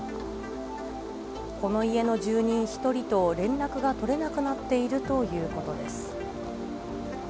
この家の住人１人と連絡が取れなくなっているということです。